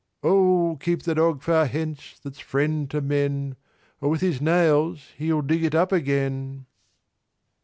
"Oh keep the Dog far hence, that's friend to men, "Or with his nails he'll dig it up again!